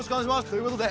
ということで。